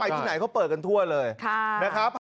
ที่ไหนเขาเปิดกันทั่วเลยนะครับ